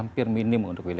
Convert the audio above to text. terima kasih pak